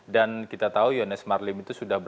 dan kita tahu yoness marlim itu sudah